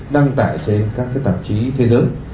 đăng tải trên các cái tạp chí thế giới